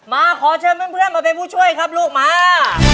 มาขอเชิญเพื่อนมาเป็นผู้ช่วยครับลูกมา